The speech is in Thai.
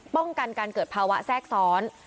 ป้องกันการเกิดภาวะแทรกซ้อน